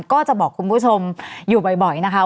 ก็จะบอกคุณผู้ชมอยู่บ่อยนะคะ